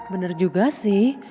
bener juga sih